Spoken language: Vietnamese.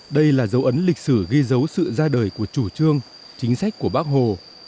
đây là dấu ấn lịch sử ghi dấu sự ra đời của chủ trương chính sách của bác hồ của đảng ta